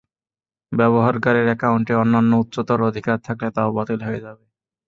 ব্যবহারকারীর অ্যাকাউন্টে অন্যান্য উচ্চতর অধিকার থাকলে তাও বাতিল হয়ে যাবে।